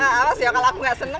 awas ya kalau aku enggak senang tak